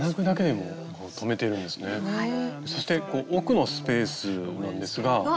そして奥のスペースなんですが。